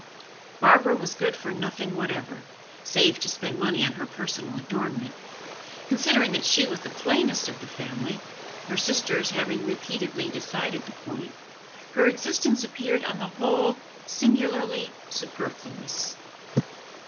Barbara was good for nothing whatever, save to spend money on her personal adornment; considering that she was the plainest of the family her sisters having repeatedly decided the point her existence appeared on the whole singularly superfluous.